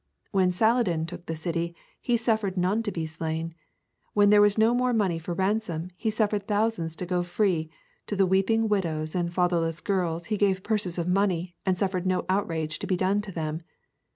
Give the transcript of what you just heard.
When Saladin took the city he suffered none to be slain; when there was no more money for ransom he suffered thousands to go free; to the weeping widows and fatherless girls he gave purses of money and suffered no outrage to be done to them.